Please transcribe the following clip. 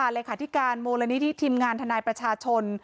อาธิกาลโมแลนิติทีมงานทานายประชาชน